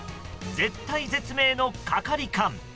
絶体絶命の係官。